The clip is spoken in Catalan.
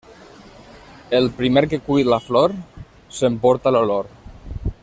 El primer que cull la flor, s'emporta l'olor.